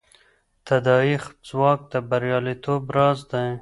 تداعي ځواک د بریالیتوب راز دی.